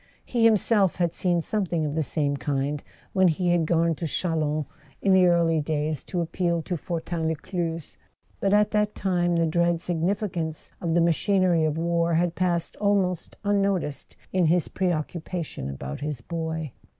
He himself had seen something of the same kind [ 270 ] A SON AT THE FRONT when he had gone to Chalons in the early days to ap¬ peal to Fortin Lescluze; but at that time the dread significance of the machinery of war had passed al¬ most unnoticed in his preoccupation about his boy.